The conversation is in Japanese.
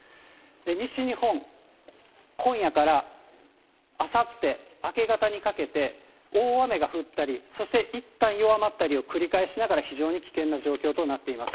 西日本、今夜からあさって明け方にかけて、大雨が降ったり、そしていったん弱まったりを繰り返しながら非常に危険な状況となっています。